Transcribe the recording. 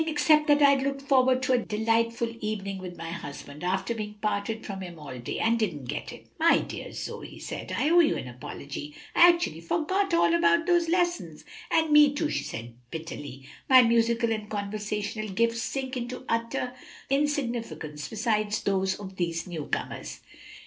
except that I'd looked forward to a delightful evening with my husband, after being parted from him all day, and didn't get it." "My dear Zoe," he said, "I owe you an apology! I actually forgot all about those lessons." "And me, too," she said bitterly. "My musical and conversational gifts sink into utter insignificance beside those of these newcomers."